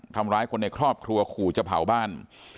ทำร้ายคนในครอบครัวขู่จะเผาบ้าน